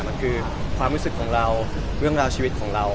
มันคือความรู้สึกของเราเรื่องราวชีวิตของเรา